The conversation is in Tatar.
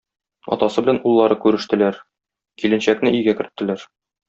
Атасы белән уллары күрештеләр, киленчәкне өйгә керттеләр.